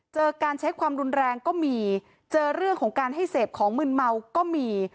เจอการใช้ความรุนแรงก็มีเจอเรื่องของการให้เสพของมืนเมาก็มี